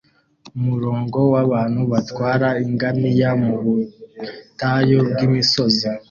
umurongo wabantu batwara ingamiya mubutayu bwimisozi